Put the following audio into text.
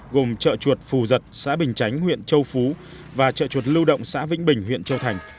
gồm chợ chuột phù giật xã bình chánh huyện châu phú và chợ chuột lưu động xã vĩnh bình huyện châu thành